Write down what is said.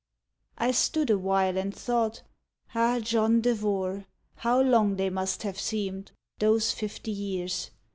I stood awhile and thought: "Ah! John Devore! How long they must have seemed, those fifty years